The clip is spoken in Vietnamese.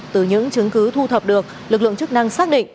từ những chứng cứ thu thập được lực lượng chức năng xác định